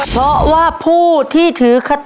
เพราะว่าผู้ที่ถือคติ